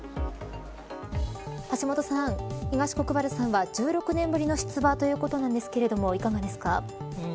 橋下さん、東国原さんは１６年ぶりの出馬ということなんですが、いかがですか。